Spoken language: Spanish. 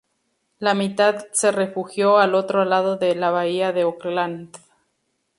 La mitad se refugió al otro lado de la Bahía de Oakland.